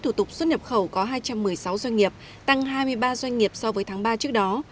thủ tục xuất nhập khẩu có hai trăm một mươi sáu doanh nghiệp tăng hai mươi ba doanh nghiệp so với tháng ba trước đó